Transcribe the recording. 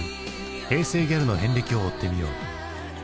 平成ギャルの遍歴を追ってみよう。